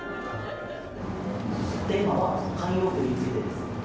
テーマは慣用句についてです。